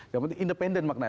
yang penting independen maknanya